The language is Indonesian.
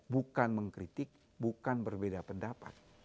bukan mengkritik bukan berbeda pendapat